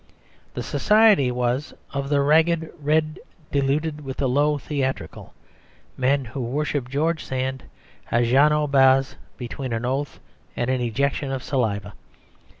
The society was "of the ragged red, diluted with the low theatrical, men who worship George Sand, à genou bas between an oath and an ejection of saliva."